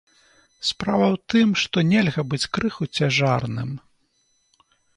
Справа ў тым, што нельга быць крыху цяжарным.